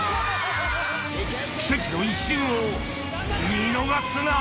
奇跡の一瞬を見逃すな！